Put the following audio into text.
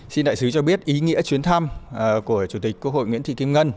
xin đại sứ cho biết ý nghĩa chuyến thăm của chủ tịch quốc hội nguyễn thị kim ngân